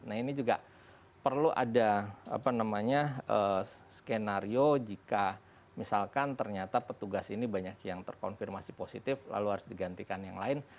nah ini juga perlu ada skenario jika misalkan ternyata petugas ini banyak yang terkonfirmasi positif lalu harus digantikan yang lain